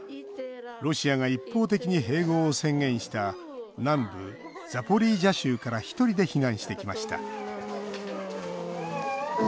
ロシアが一方的に併合を宣言した南部ザポリージャ州から１人で避難してきました。